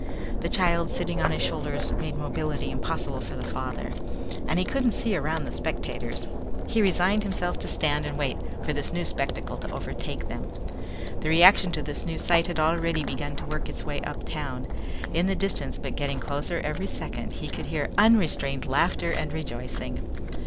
The child sitting on his shoulders made mobility impossible for the father. And he couldn't see around the spectators. He resigned himself to stand and wait for this new spectacle to overtake them. The reaction to this new sight had already begun to work its way uptown. In the distance, but getting closer every second, he could hear unrestrained laughter and rejoicing.